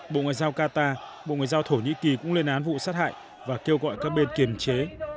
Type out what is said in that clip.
bộ ngoại giao qatar bộ ngoại giao thổ nhĩ kỳ cũng lên án vụ sát hại và kêu gọi các bên kiềm chế